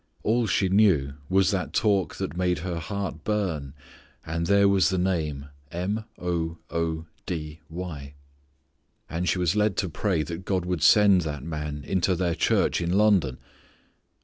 All she knew was that talk that made her heart burn, and there was the name M o o d y. And she was led to pray that God would send that man into their church in London.